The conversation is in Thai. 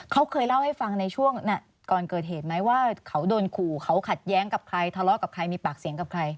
เขาเคยเล่าให้ฟังในช่วงก่อนเกิดเหตุไหมว่าเขาโดนขู่เขาขัดแย้งกับใครทะเลาะกับใครมีปากเสียงกับใคร